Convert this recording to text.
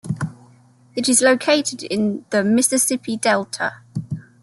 It is located in the Mississippi Delta.